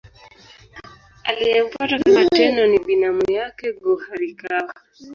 Aliyemfuata kama Tenno ni binamu yake Go-Horikawa.